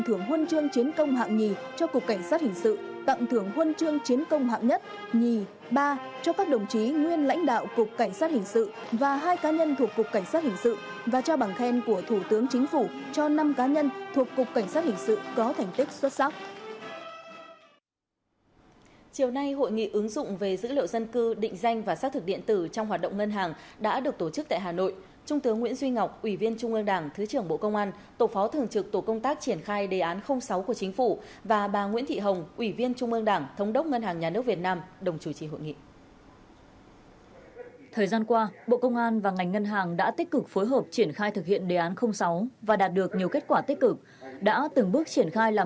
trước tại hà nội trung tướng nguyễn duy ngọc ủy viên trung ương đảng thứ trưởng bộ công an tổ phó thường trực tổ công tác triển khai đề án sáu của chính phủ và bà nguyễn thị hồng ủy viên trung ương đảng thống đốc ngân hàng nhà nước việt nam đồng chủ trì hội nghị